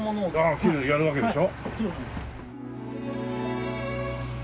切るやるわけでしょ？